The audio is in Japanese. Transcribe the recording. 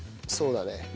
そうだね。